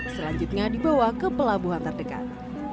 selanjutnya dibawa ke pelabuhan terdekat